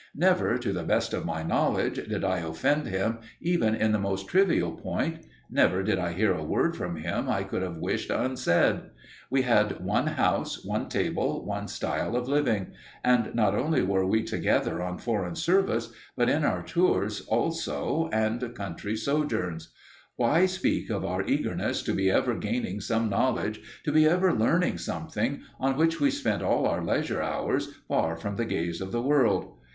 Never, to the best of my knowledge, did I offend him even in the most trivial point; never did I hear a word from him I could have wished unsaid. We had one house, one table, one style of living; and not only were we together on foreign service, but in our tours also and country sojourns. Why speak of our eagerness to be ever gaining some knowledge, to be ever learning something, on which we spent all our leisure hours far from the gaze of the world?